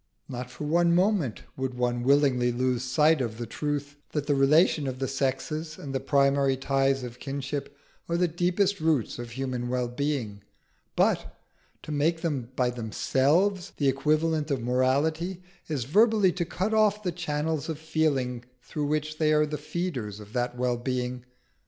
Not for one moment would one willingly lose sight of the truth that the relation of the sexes and the primary ties of kinship are the deepest roots of human wellbeing, but to make them by themselves the equivalent of morality is verbally to cut off the channels of feeling through which they are the feeders of that wellbeing.